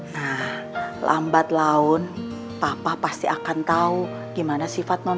nah lambat laun papa pasti akan tahu gimana sifatnya